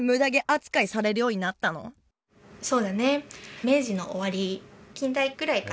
そうだね。